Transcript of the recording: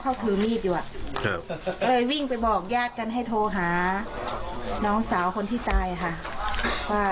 ก็เลยบอกให้ลูกชายโทรแจ้งตำรวจค่ะ